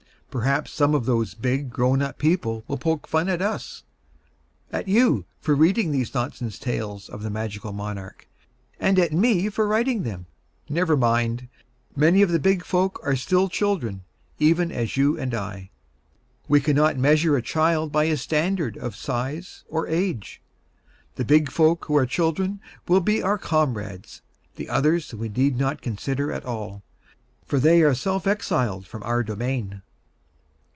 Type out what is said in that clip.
Perhaps some of those big, grown up people will poke fun of us at you for reading these nonsense tales of the Magical Monarch, and at me for writing them. Never mind. Many of the big folk are still children even as you and I. We cannot measure a child by a standard of size or age. The big folk who are children will be our comrades; the others we need not consider at all, for they are self exiled from our domain.